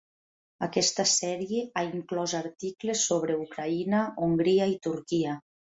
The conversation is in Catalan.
Aquesta sèrie ha inclòs articles sobre Ucraïna, Hongria i Turquia.